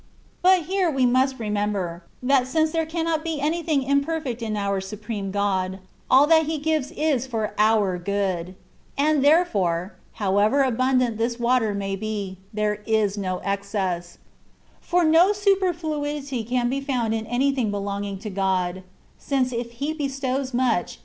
But here we must remember, that since there cannot be any thing imperfect in our Supreme God, all that He gives is for (mr good; and therefore, however abundant this water may be, there is no excess ; for no superfluity can be found in anything belonging to God ; since if He bestows much.